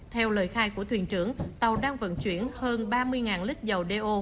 theo lời khai của thuyền trưởng tàu đang vận chuyển hơn ba mươi lít dầu đeo